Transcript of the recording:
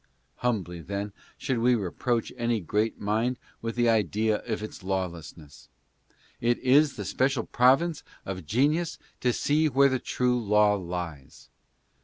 Humbly, then, should we reproach any great mind with the idea of its lawlessness. It is the special province of genius to see where the true law lies.